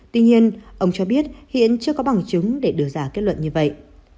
tuy nhiên ông cho biết hiện chưa có bằng chứng để đưa ra kết luận như vậy